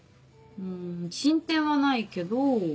うん進展はないけど。